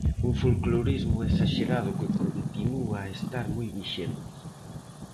Un folclorismo esaxerado que continúa a estar moi vixente.